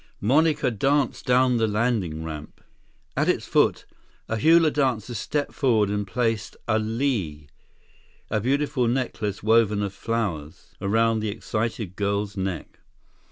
Monica danced down the landing ramp. At its foot, a hula dancer stepped forward and placed a lei, a beautiful necklace woven of flowers—around the excited girl's neck.